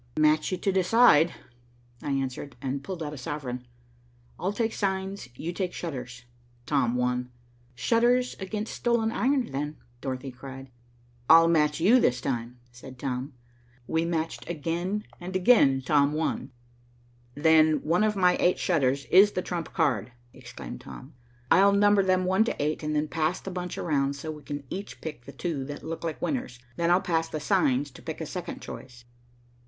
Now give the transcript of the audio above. "Match you to decide," I answered, and I pulled out a sovereign. "I'll take signs, you take shutters." Tom won. "Shutters against stolen iron then," cried Dorothy. "I'll match you this time," said Tom. We matched again, and again Tom won. "Then one of my eight shutters is the trump card," exclaimed Tom. "I'll number them one to eight, and then pass the bunch around so we can each pick the two that look like winners. Then I'll pass the signs to pick a second choice."